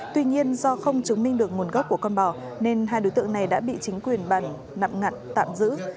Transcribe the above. tuy nhiên do không chứng minh được nguồn gốc của con bò nên hai đối tượng này đã bị chính quyền bản nậm ngặn tạm giữ